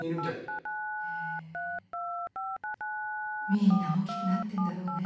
みんな大きくなってんだろうね。